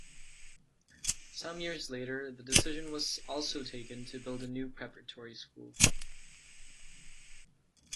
Some years later the decision was also taken to build a new preparatory school.